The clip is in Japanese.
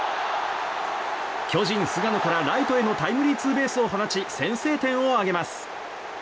巨人、菅野からライトへのタイムリーツーベースを放ち先制点を上げます。